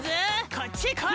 こっちへこい！